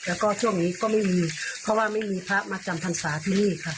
แล้วก็ช่วงนี้ก็ไม่มีเพราะว่าไม่มีพระมาจำพรรษาที่นี่ค่ะ